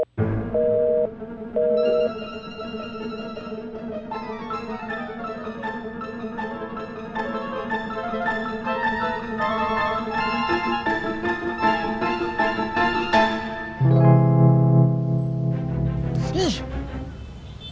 tidak ada apa apa